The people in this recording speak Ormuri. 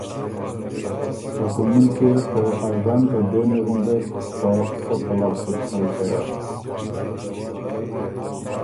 او کُومُن کی ر ته اژن ته دېنی غُندک په سۀ پلؤ سُکئ سره۔